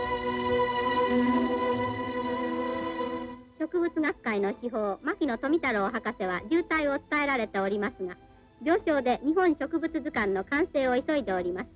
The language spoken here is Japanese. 「植物学会の至宝牧野富太郎博士は重体を伝えられておりますが病床で『日本植物図鑑』の完成を急いでおります。